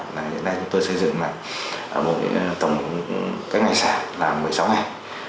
hiện nay chúng tôi xây dựng tổng các ngày xả là một mươi sáu ngày